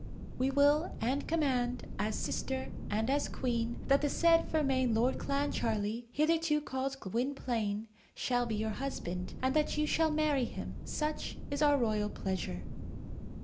We will and command, as sister and as Queen, that the said Fermain Lord Clancharlie, hitherto called Gwynplaine, shall be your husband, and that you shall marry him. Such is our royal pleasure."